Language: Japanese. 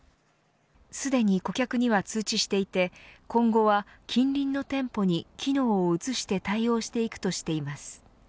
すでに顧客には通知していて今後は近隣の店舗に機能を移して対応していくとしています。